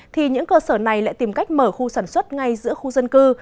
thì những cơ sở này lại tìm cách mở khu sản xuất ngay giữa khu dân cư